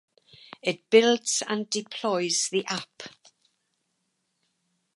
It builds and deploys the app